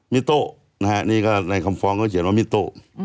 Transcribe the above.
มีดโต้ในคำฟองเขาเขียนว่ามีดโต้